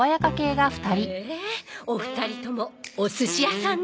へえお二人ともおすし屋さんなんですか。